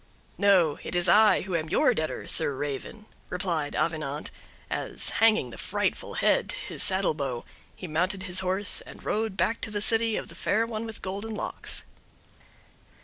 "No, it is I who am your debtor, Sir Raven," replied Avenant, as, hanging the frightful head to his saddle bow, he mounted his horse and rode back to the city of the Fair One with Golden Locks.